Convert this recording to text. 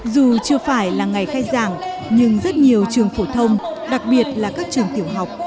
dù chưa phải là ngày khai giảng nhưng rất nhiều trường phổ thông đặc biệt là các trường tiểu học